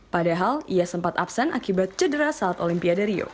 padahal ia sempat absen akibat cedera saat olimpiade rio